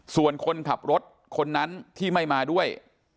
ส่วนคนขับรถคนนั้นที่ไม่มาด้วย